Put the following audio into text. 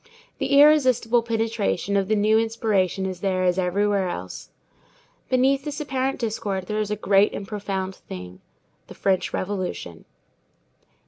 The irresistible penetration of the new inspiration is there as everywhere else. Beneath this apparent discord there is a great and a profound thing,—the French Revolution.